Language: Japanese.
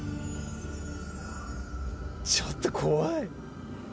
ちょっと怖い。